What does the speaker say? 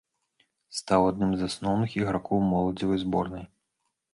Стаў адным з асноўных ігракоў моладзевай зборнай.